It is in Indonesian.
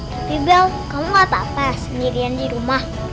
tapi bell kamu gak apa apa sendirian di rumah